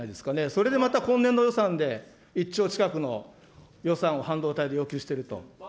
それでまた今年度予算で、１兆近くの予算を半導体で要求してると。